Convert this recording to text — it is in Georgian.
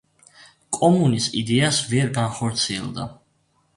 კომუნის იდეა ვერ განხორციელდა.